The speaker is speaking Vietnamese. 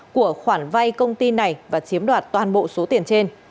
của khoản vay công ty này và chiếm đoạt toàn bộ số tiền trên